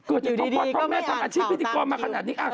ก็เจ็บพอดท์ของแม่นตามอาชีพพิติกรมาขนาดนี้